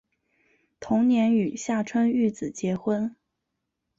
同年与下川玉子结婚。